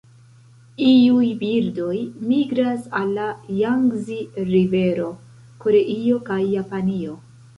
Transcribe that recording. Iuj birdoj migras al la Jangzi-rivero, Koreio, kaj Japanio.